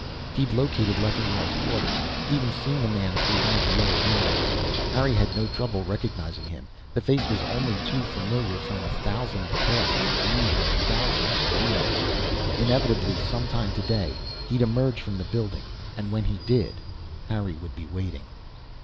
He'd located Leffingwell's quarters, even seen the man through one of the lower windows. Harry had no trouble recognizing him; the face was only too familiar from a thousand 'casts viewed on a thousand screens. Inevitably, some time today, he'd emerge from the building. And when he did, Harry would be waiting.